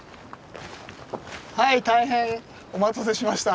はい大変お待たせしました。